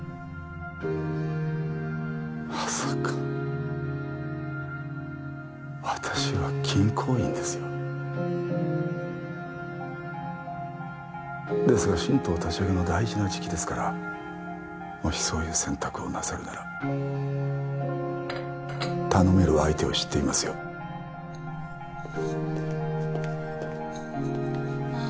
まさか私は銀行員ですよですが新党立ち上げの大事な時期ですからもしそういう選択をなさるなら頼める相手を知っていますよああ